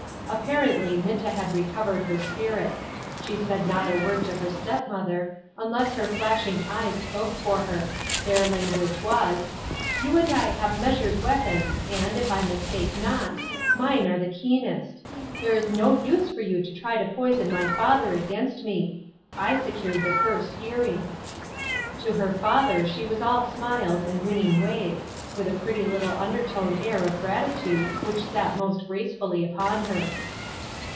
Apparently, Minta had recovered her spirits ; she said not a word to her step mother, unless her flashing eyes spoke for her ; their language was :" You and I have measured weapons, and, if I mistake not, mine are the keen est. There is no use for you to try to poison my father against me ; I secured the first hearing." To her father she was all smiles and winning ways, with a pretty little undertone air of grati tude which sat most gracefully upon her.